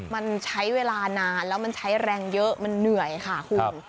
มันใช้เวลานานแล้วมันใช้แรงเยอะมันเหนื่อยค่ะคุณ